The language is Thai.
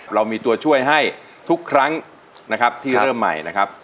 เรามีตัวช่วยให้ทุกครั้งนะครับที่เริ่มใหม่นะครับ